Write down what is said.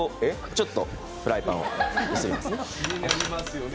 ちょっとフライパンを揺すります。